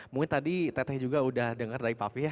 mungkin tadi teteh juga udah dengar dari pafi ya